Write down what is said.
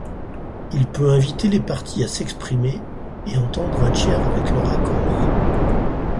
Il peut inviter les parties à s'exprimer, et entendre un tiers avec leur accord.